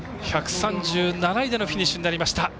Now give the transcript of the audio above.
１３７位でのフィニッシュとなりました。